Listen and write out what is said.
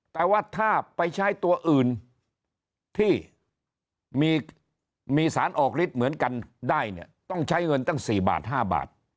แต่ว่าถ้าไปใช้ตัวอื่นที่มีสารออกฤทธิ์เหมือนกันได้เนี่ยต้องใช้เงินตั้ง๔บาท๕บาท